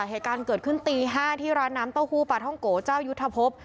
เหตุการณ์เกิดขึ้นตี๕ที่ร้านน้ำเต้าหู้ปลาท่องโกเจ้ายุทธภพ